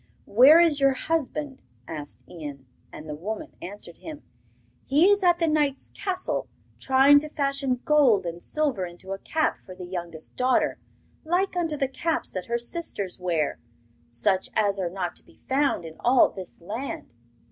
'Where is your husband?' asked Ian, and the woman answered him: 'He is at the knight's castle trying to fashion gold and silver into a cap for the youngest daughter, like unto the caps that her sisters wear, such as are not to be found in all this land.